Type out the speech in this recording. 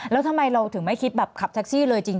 แล้วทำไมเราถึงไม่คิดแบบขับแท็กซี่เลยจริง